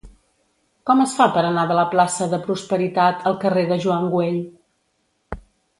Com es fa per anar de la plaça de Prosperitat al carrer de Joan Güell?